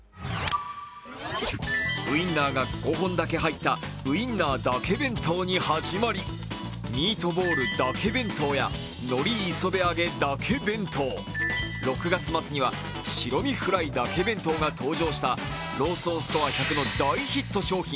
ウインナーが５本だけ入ったウインナーだけ弁当に始まり、ミートボールたけ弁当やのり磯辺揚げだけ弁当６月末には白身フライだけ弁当が登場したローソンストア１００の大ヒット商品